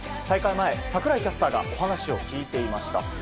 大会前、櫻井キャスターがお話を聞いていました。